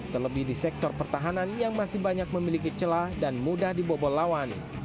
terlebih di sektor pertahanan yang masih banyak memiliki celah dan mudah dibobol lawan